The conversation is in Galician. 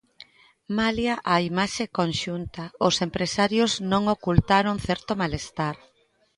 Malia a imaxe conxunta, os empresarios non ocultaron certo malestar.